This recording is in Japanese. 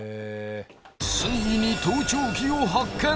ついに盗聴器を発見